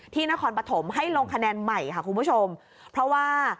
นครปฐมให้ลงคะแนนใหม่ค่ะคุณผู้ชมเพราะว่า